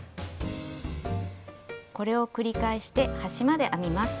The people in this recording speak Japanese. これを繰り返して端まで編みます。